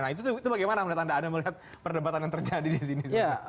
nah itu bagaimana menurut anda anda melihat perdebatan yang terjadi di sini